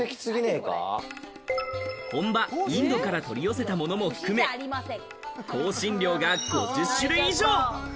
本場インドから取り寄せたものも含め、香辛料が５０種類以上。